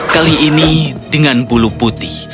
kali ini dengan bulu putih